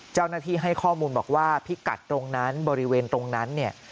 เจ้าหน้าที่ให้ข้อมูลบอกว่าพิกัดตรงนั้นบริเวณตรงนั้นเนี่ย